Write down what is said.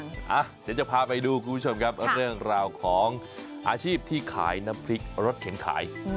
เดี๋ยวจะพาไปดูคุณผู้ชมครับเรื่องราวของอาชีพที่ขายน้ำพริกรถเข็นขาย